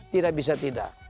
tidak bisa tidak